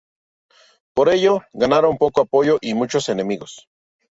Por ello, ganaron poco apoyo y muchos enemigos.